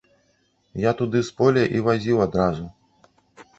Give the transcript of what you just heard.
Я туды з поля і вазіў адразу.